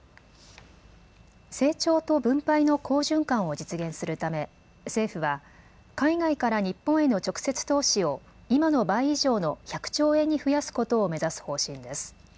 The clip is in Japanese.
成長と分配の好循環を実現するため政府は海外から日本への直接投資を今の倍以上の１００兆円に増やすことを目指す方針です。